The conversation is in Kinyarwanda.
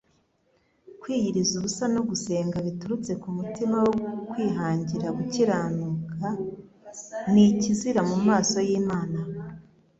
Kwiyiriza ubusa no gusenga biturutse ku mutima wo kwihangira gukirauuka, ni ikizira mu maso y'Imana.